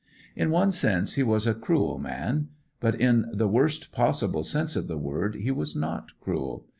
In one sense he was a cruel man; but in the worst possible sense of the word he was not cruel.